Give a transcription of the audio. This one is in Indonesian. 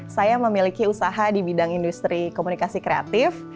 saya memiliki usaha di bidang industri komunikasi kreatif